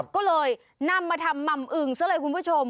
ก็เลยนำมาทำหม่ำอึงซะเลยคุณผู้ชม